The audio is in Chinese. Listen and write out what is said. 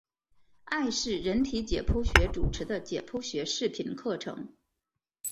艾氏人体解剖学主持的解剖学视频课程。